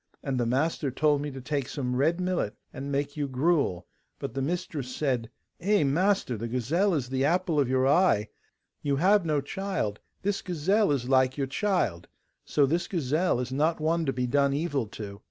And the master told me to take some red millet and make you gruel, but the mistress said, 'Eh, master, the gazelle is the apple of your eye; you have no child, this gazelle is like your child; so this gazelle is not one to be done evil to.